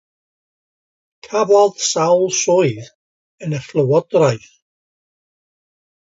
Cafodd sawl swydd yn y llywodraeth.